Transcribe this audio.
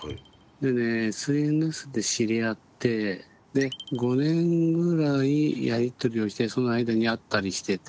でねＳＮＳで知り合ってで５年ぐらいやり取りをしてその間に会ったりしてて。